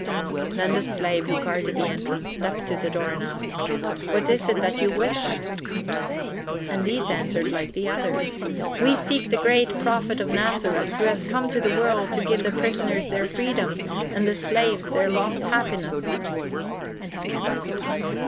Then the slave who guarded the entrance stepped to the door and asked: "What is it that you wish?" And these answered like the others: "We seek the great Prophet of Nazareth, who has come to the world to give the prisoners their freedom and the slaves their lost happiness."